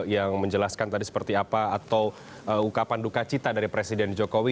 yang menjelaskan tadi seperti apa atau ukapan dukacita dari presiden jokowi